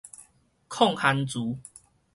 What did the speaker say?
炕番薯